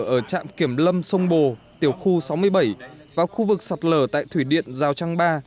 ở trạm kiểm lâm sông bồ tiểu khu sáu mươi bảy vào khu vực sạt lở tại thủy điện giao trang ba